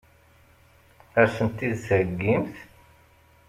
Ad sent-t-id-theggimt?